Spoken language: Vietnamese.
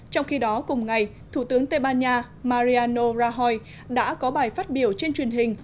trong khi đó cùng ngày thủ tướng tây ban nha mariano rahoi đã có bài phát biểu trên truyền hình